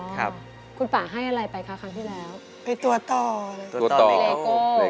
คุณฝ่าให้อะไรไปคะครั้งที่แล้ว